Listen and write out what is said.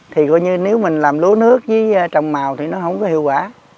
thì coi như nếu mình làm lúa nước với trồng màu thì nó không có hiệu quả